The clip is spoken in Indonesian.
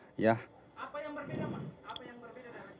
apa yang berbeda pak